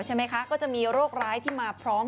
ใช่ไหมคะก็จะมีโรคร้ายที่มาพร้อม